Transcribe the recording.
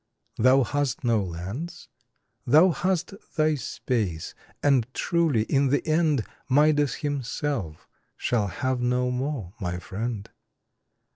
Thou hast no lands? Thou hast thy space, and truly in the end Midas himself shall have no more, my friend.